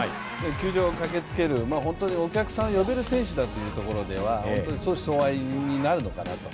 球場に駆けつける、お客さんを呼べる選手というところでは本当に相思相愛になるのかなと。